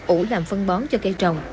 ủ làm phân bón cho cây trồng